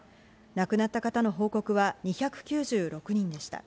亡くなった方の報告は２９６人でした。